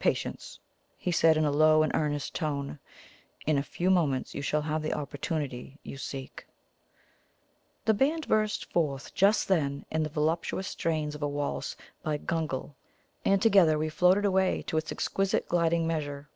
"Patience!" he said in a low and earnest tone. "In a few moments you shall have the opportunity you seek." The band burst forth just then in the voluptuous strains of a waltz by Gung'l, and together we floated away to its exquisite gliding measure.